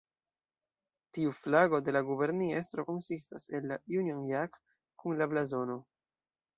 Tiu flago de la guberniestro konsistas el la Union Jack kun la blazono.